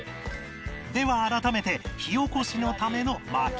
では改めて火おこしのための薪割り